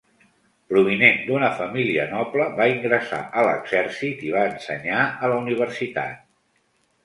Provinent d'una família noble, va ingressar a l'exèrcit i va ensenyar a la universitat.